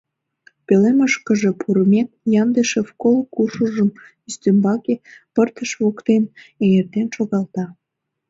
Пӧлемышкыже пурымек, Яндышев кол куршыжым ӱстембаке, пырдыж воктен, эҥертен шогалта.